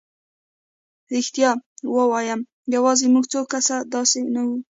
رښتیا ووایم یوازې موږ څو کسه داسې نه وو.